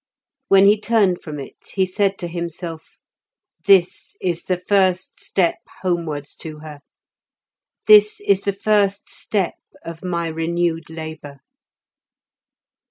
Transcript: When he turned from it, he said to himself, "This is the first step homewards to her; this is the first step of my renewed labour."